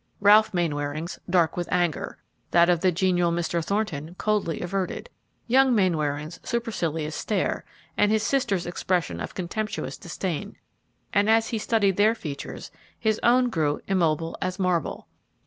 Ralph Mainwaring's, dark with anger; that of the genial Mr. Thornton coldly averted; young Mainwaring's supercilious stare, and his sister's expression of contemptuous disdain; and as he studied their features his own grew immobile as marble.